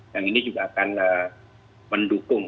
yang ini juga akan mendukung